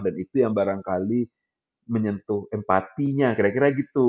dan itu yang barangkali menyentuh empatinya kira kira gitu